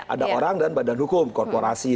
ada orang dan badan hukum korporasi